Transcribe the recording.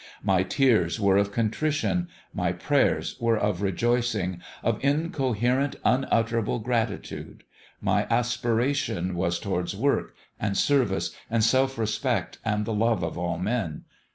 My tears were of contrition my prayers were of rejoicing, of incoherent, un utterable gratitude ; my aspiration was towards work, and service, and self respect, and the love of all men.